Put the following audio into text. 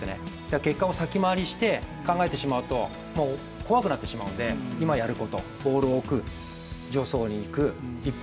結果を先回りして考えてしまうともう怖くなってしまうんで、今やること、ボールを置く、助走にいく一歩